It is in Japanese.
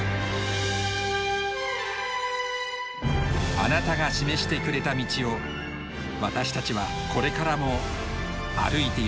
あなたが示してくれた道を私たちはこれからも歩いてゆきます。